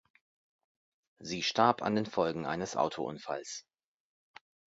Sie starb an den Folgen eines Autounfalls.